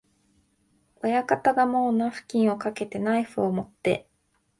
親方がもうナフキンをかけて、ナイフをもって、